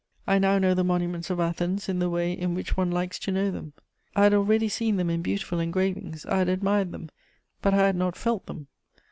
"I now know the monuments of Athens in the way in which one likes to know them. I had already seen them in beautiful engravings, I had admired them, but I had not felt them.